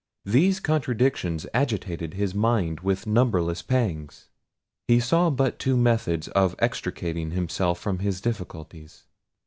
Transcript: These contradictions agitated his mind with numberless pangs. He saw but two methods of extricating himself from his difficulties.